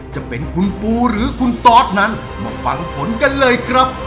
จะเป็นคุณปูหรือคุณตอสนั้นมาฟังผลกันเลยครับ